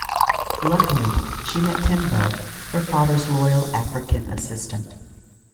Luckily, she meets Tenbo, her father's loyal African assistant.